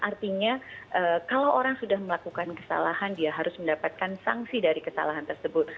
artinya kalau orang sudah melakukan kesalahan dia harus mendapatkan sanksi dari kesalahan tersebut